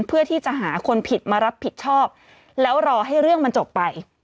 เพื่อที่จะหาคนผิดมารับผิดชอบแล้วรอให้เรื่องมันจบไป